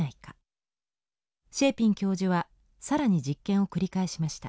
シェーピン教授はさらに実験を繰り返しました。